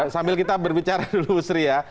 sambil kita berbicara dulu sri ya